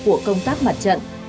của công tác mặt trận